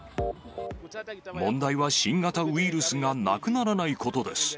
問題は新型ウイルスがなくならないことです。